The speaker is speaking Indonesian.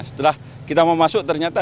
setelah kita mau masuk ternyata